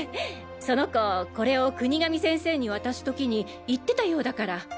その子これを国上先生に渡す時に言ってたようだから。